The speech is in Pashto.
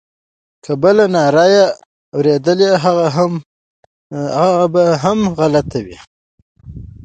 که بله ناره یې اورېدلې هغه به هم غلطه وي.